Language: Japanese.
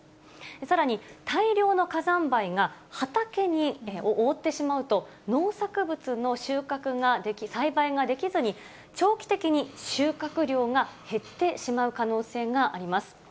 さらに、大量の火山灰が畑を覆ってしまうと、農作物の収穫が、栽培ができずに、長期的に収穫量が減ってしまう可能性があります。